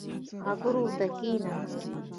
خبرو ته کښیني.